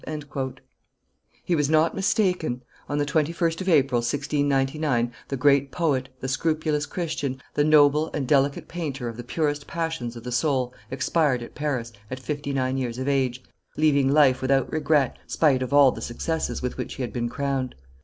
'" He was not mistaken: on the 21st of April, 1699, the great poet, the scrupulous Christian, the noble and delicate painter of the purest passions of the soul, expired at Paris, at fifty nine years of age; leaving life without regret, spite of all the successes with which he had been crowned.